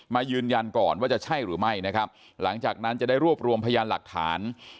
ยืนยันก่อนว่าจะใช่หรือไม่นะครับหลังจากนั้นจะได้รวบรวมพยานหลักฐาน